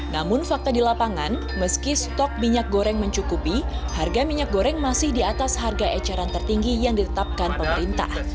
namun fakta di lapangan meski stok minyak goreng mencukupi harga minyak goreng masih di atas harga eceran tertinggi yang ditetapkan pemerintah